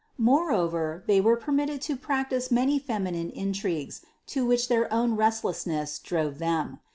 Moreover they were permitted to practice many feminine intrigues, to which their own restlessness drove them.